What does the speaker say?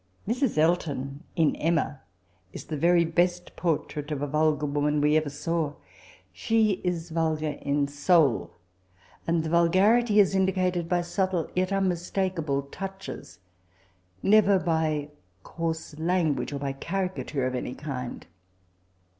Mrs. Elton, in Emma, is the very best portrait of a vulgar woman we ever saw: she ia vulf^ in soul, and the vulgarity ia indicated by subtle yet unmistak able touches, never by coarse Ian* ffuaffe, or by caricature of any kind.